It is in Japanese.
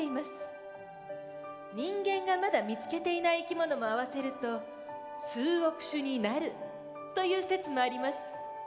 人間がまだ見つけていないいきものも合わせると数億種になるという説もあります。